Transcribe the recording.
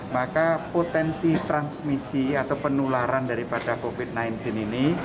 maka potensi transmisi atau penularan daripada covid sembilan belas ini